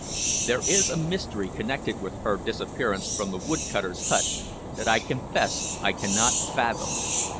There is a mystery connected with her disappearance from the wood cutter's hut that I confess I cannot fathom."